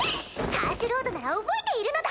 カースロードなら覚えているのだ！